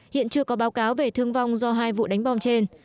hiện chưa có báo cáo về thương vong do hai vụ đánh bom trên